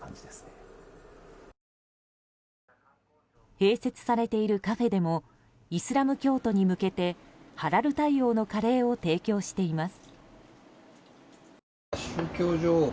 併設されているカフェでもイスラム教徒に向けてハラル対応のカレーを提供しています。